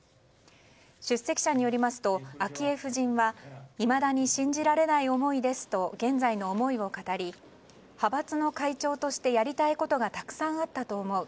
出席者によりますと昭恵夫人はいまだに信じらない思いですと現在の思いを語り派閥の会長としてやりたいことがたくさんあったと思う。